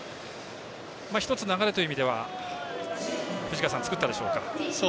１つ流れという意味では作ったでしょうか。